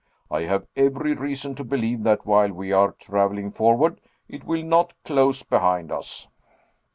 I have every reason to believe that while we are traveling forward, it will not close behind us."